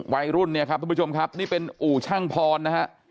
วัยรุ่นเนี่ยครับทุกผู้ชมครับนี่เป็นอู่ช่างพรนะฮะ